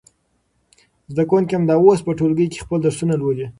زده کوونکي همدا اوس په ټولګي کې خپل درسونه لولي.